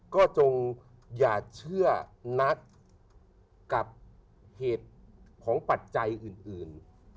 ก็จงอย่าเชื่อนัทกับเหตุของปัจจัยอื่น